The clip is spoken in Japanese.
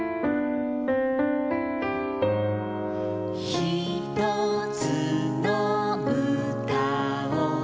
「ひとつのうたを」